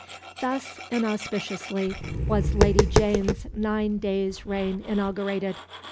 Thus inauspiciously was Lady Jane's nine days' reign inaugurated.